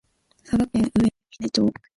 佐賀県上峰町